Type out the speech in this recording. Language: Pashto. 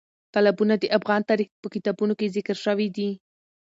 تالابونه د افغان تاریخ په کتابونو کې ذکر شوی دي.